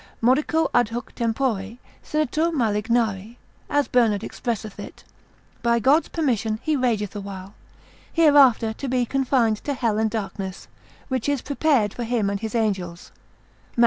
Modico adhuc tempore sinitur malignari, as Bernard expresseth it, by God's permission he rageth a while, hereafter to be confined to hell and darkness, which is prepared for him and his angels, Mat.